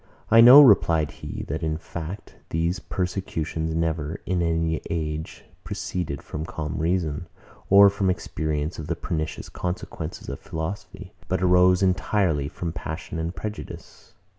I know, replied he, that in fact these persecutions never, in any age, proceeded from calm reason, or from experience of the pernicious consequences of philosophy; but arose entirely from passion and prejudice.